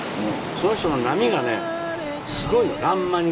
その人の波がねすごいの。